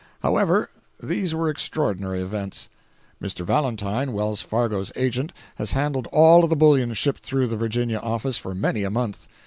However, these were extraordinary events. [Mr. Valentine, Wells Fargo's agent, has handled all the bullion shipped through the Virginia office for many a month.